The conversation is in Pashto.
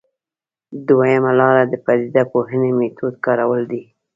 دویمه لاره د پدیده پوهنې میتود کارول دي.